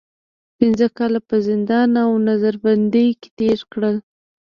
پنځه کاله په زندان او نظر بندۍ کې تېر کړل.